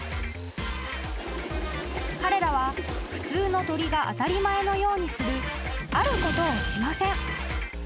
［彼らは普通の鳥が当たり前のようにするあることをしません］